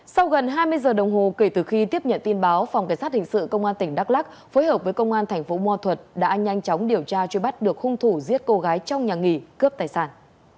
sau gần hai mươi giờ đồng hồ kể từ khi tiếp nhận tin báo phòng cảnh sát hình sự công an tỉnh đắk lắc phối hợp với công an thành phố mò thuật đã nhanh chóng điều tra truy bắt được hung thủ giết cô gái trong nhà nghỉ cướp tài sản